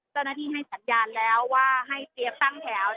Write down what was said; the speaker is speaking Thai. เจ้าหน้าที่ให้สัญญาณแล้วว่าให้เตรียมตั้งแถว